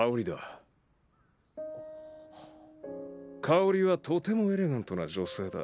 香織はとてもエレガントな女性だ。